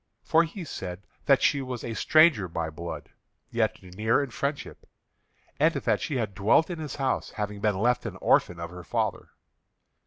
For he said that she was a stranger by blood, yet near in friendship, and that she had dwelt in his house, having been left an orphan of her father.